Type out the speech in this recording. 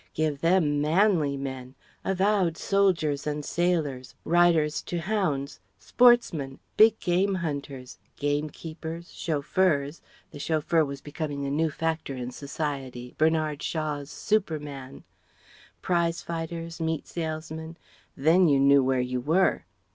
Give them manly men; avowed soldiers and sailors, riders to hounds, sportsmen, big game hunters, game keepers, chauffeurs the chauffeur was becoming a new factor in Society, Bernard Shaw's "superman" prize fighters, meat salesmen then you knew where you were.